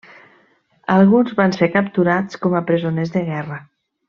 Alguns van ser capturats com a presoners de guerra.